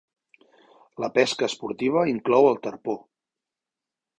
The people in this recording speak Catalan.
La pesca esportiva inclou el tarpó.